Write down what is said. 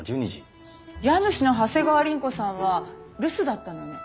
家主の長谷川凛子さんは留守だったのよね？